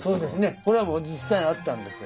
これはもう実際にあったんですよ。